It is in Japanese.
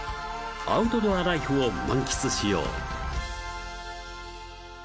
アウトドアライフを満喫しよう！